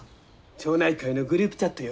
町内会のグループチャットよ。